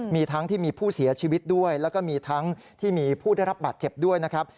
มีทั้งที่มีผู้เสียชีวิตด้วยแล้วก็มีทั้งที่มีผู้ได้รับบาดเจ็บด้วยนะครับ